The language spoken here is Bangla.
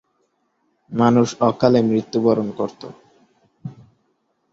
মানুষ অকালে মৃত্যু বরন করতো।